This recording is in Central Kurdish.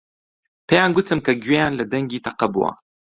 پێیان گوتم کە گوێیان لە دەنگی تەقە بووە.